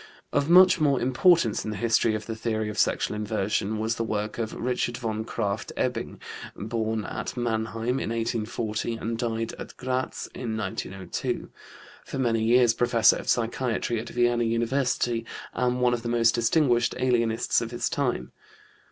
Of much more importance in the history of the theory of sexual inversion was the work of Richard von Krafft Ebing (born at Mannheim in 1840 and died at Graz in 1902), for many years professor of psychiatry at Vienna University and one of the most distinguished alienists of his time.